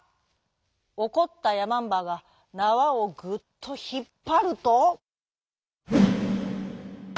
おこったやまんばがなわをグっとひっぱると。